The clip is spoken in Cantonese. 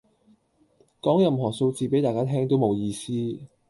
講任何數字俾大家聽都冇意思